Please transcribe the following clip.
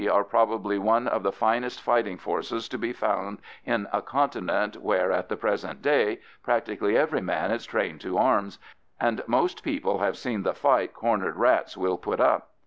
are probably one of the finest fighting forces to be found in a continent where, at the present day, practically every man is trained to arms, and most people have seen the fight cornered rats will put up.